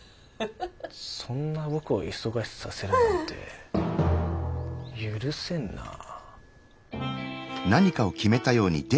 そんな僕を忙しくさせるなんて許せんなぁ。